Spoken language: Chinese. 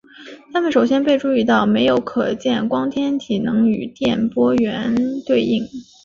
它们首先被注意到没有可见光天体能与些电波源对应。